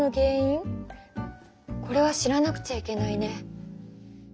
これは知らなくちゃいけないね。